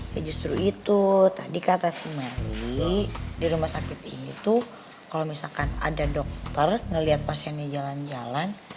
ya justru itu tadi kata si meri di rumah sakit ini tuh kalau misalkan ada dokter ngelihat pasiennya jalan jalan